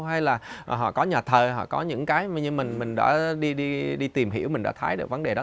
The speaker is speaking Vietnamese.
hay là họ có nhà thờ họ có những cái mình đã đi tìm hiểu mình đã thấy được vấn đề đó